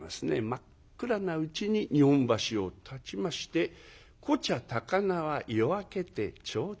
真っ暗なうちに日本橋をたちまして「コチャ高輪夜明けて提灯消す」。